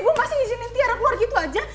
gue masih izinin tiara keluar gitu aja